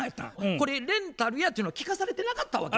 これレンタルやっていうのは聞かされてなかったわけや。